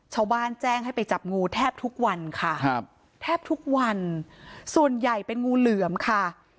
ชาวบ้านแจ้งให้ไปจับงูแทบทุกวันค่ะครับแทบทุกวันส่วนใหญ่เป็นงูเหลือมค่ะ